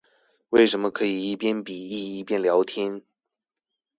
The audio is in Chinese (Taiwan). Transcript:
為什麼可以一邊筆譯一邊聊天